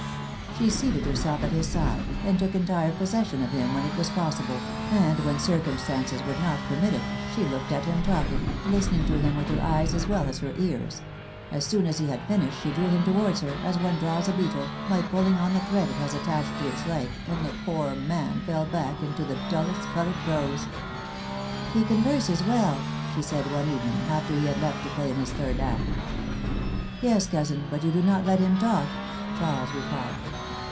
She seated her self at his side, and took entire possession of him when it was possible, and when circumstances would not permit it, she looked at him talking, listening to him with her eyes as well as her ears ; as soon as he had finished she drew him towards her, as one draws a beetle, by pulling on the thread it has attached to its leg, and the poor man fell back into the dullest colored prose. He converses well,^^ she said one evening, after he had left to play in his third act. ^^Yes, cousin, but you do not let him talk!'' Charles replied.